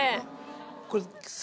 これ。